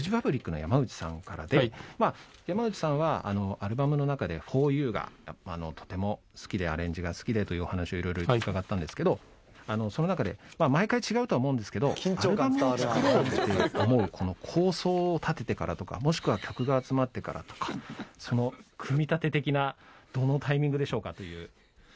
まあ山内さんはアルバムの中で『ＦＯＲＹＯＵ』がとても好きでアレンジが好きでというお話をいろいろ伺ったんですけどその中でまあ毎回違うとは思うんですけどアルバムを作ろうって思うこの構想を立ててからとかもしくは曲が集まってからとか組み立て的などのタイミングでしょうか？という。